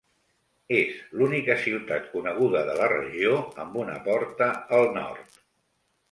És l'única ciutat coneguda de la regió amb una porta al nord.